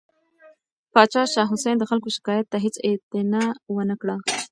پاچا شاه حسین د خلکو شکایت ته هیڅ اعتنا ونه کړه.